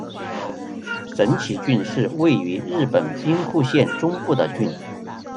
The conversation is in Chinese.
神崎郡是位于日本兵库县中部的郡。